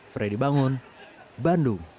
fredy bangun bandung